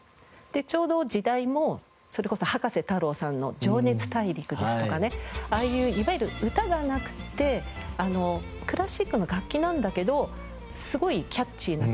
ちょうど時代もそれこそ葉加瀬太郎さんの『情熱大陸』ですとかねああいういわゆる歌がなくてクラシックの楽器なんだけどすごいキャッチーな曲。